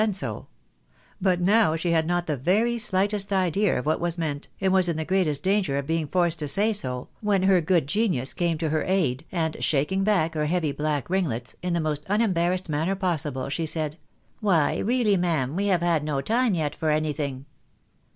115 done so ; but now she had not the very slightest idea of what was meant, and was in the greatest danger of being forced to say so, when her good genius came to her aid, and shaking back her heavy black ringlets, in the most unembarrassed manner possible, she said, " Why really, ma'am, we have had no time yet for any thing."